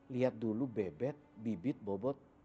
lihat dulu bebek bibit bobot